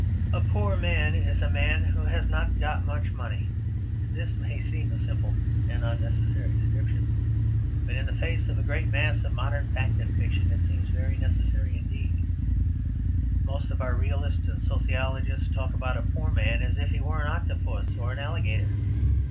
A poor man is a man who has not got much money. This may seem a simple and unnecessary description, but in the face of a great mass of modern fact and fiction, it seems very necessary indeed; most of our realists and sociologists talk about a poor man as if he were an octopus or an alligator.